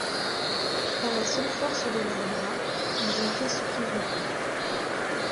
Par la seule force de leur bras, ils ont fait ce qu’ils ont pu.